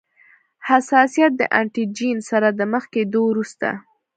حساسیت د انټي جېن سره د مخ کیدو وروسته.